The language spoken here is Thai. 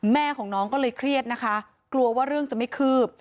แม่ของน้องก็เลยเครียดนะคะกลัวว่าเรื่องจะไม่คืบ